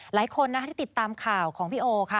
หลายคนนะคะที่ติดตามข่าวของพี่โอค่ะ